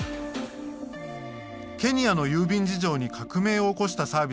ケニアの郵便事情に革命を起こしたサービスがあります。